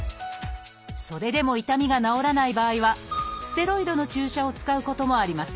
それでも痛みが治らない場合はステロイドの注射を使うこともあります。